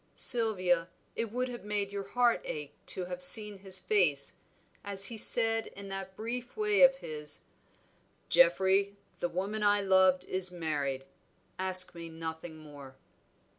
Sylvia, it would have made your heart ache to have seen his face, as he said in that brief way of his 'Geoffrey, the woman I loved is married, ask me nothing more.'